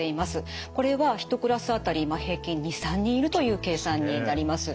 これは１クラス当たり平均２３人いるという計算になります。